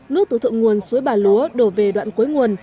nước từ thượng nguồn suối bà lúa đổ về đoạn cuối nguồn